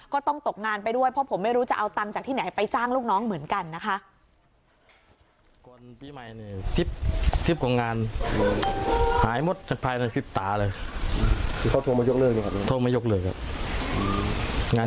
ตกงานไปด้วยเพราะผมไม่รู้จะเอาตังค์จากที่ไหนไปจ้างลูกน้องเหมือนกันนะคะ